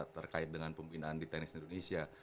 terkait dengan pembinaan di tenis indonesia